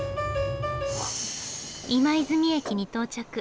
今泉駅に到着。